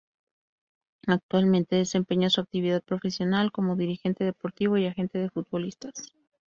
Actualmente desempeña su actividad profesional como dirigente deportivo y agente de futbolistas.